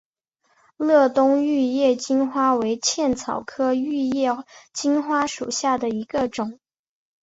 乐东玉叶金花为茜草科玉叶金花属下的一个种。